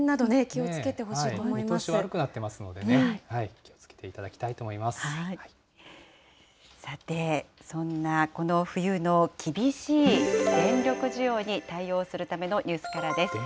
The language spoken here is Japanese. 見通し悪くなっていますのでね、気をつけていただきたいと思さて、そんなこの冬の厳しい電力需要に対応するためのニュースからです。